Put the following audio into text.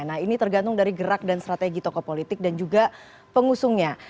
nah ini tergantung dari gerak dan strategi tokoh politik dan juga pengusungnya